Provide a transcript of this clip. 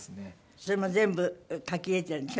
それも全部書き入れているんでしょ？